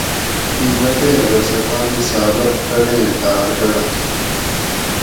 اِیں بٹیر دہ سہ تانی ثابت کڑیں ڈاۤر گۤڑانش